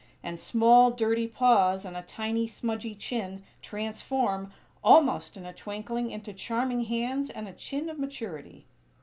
And small, dirty paws, and a tiny smudgy chin, transform, almost in a twinkling into charming hands and a chin of maturity.